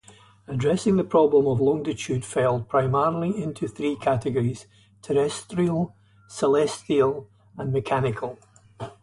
Addressing the problem of longitude fell, primarily, into three categories: terrestrial, celestial, and mechanical.